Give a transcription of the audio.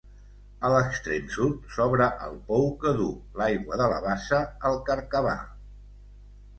A l'extrem sud, s'obre el pou que duu l'aigua de la bassa al carcabà.